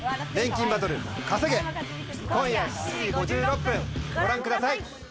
『錬金バトルＫＡＳＥＧＥ』、今夜７時５６分、ご覧ください。